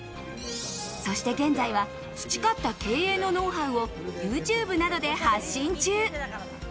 そして現在は、培った経営のノウハウをＹｏｕＴｕｂｅなどで発信中。